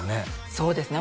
そうですね